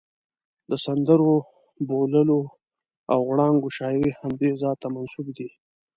د سندرو، بوللو او غړانګو شاعري همدې ذات ته منسوب دي.